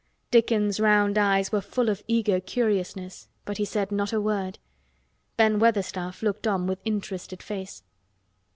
Dickon's round eyes were full of eager curiousness but he said not a word. Ben Weatherstaff looked on with interested face.